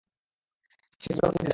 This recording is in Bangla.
সে নিজের অতীত ভুলে যায়।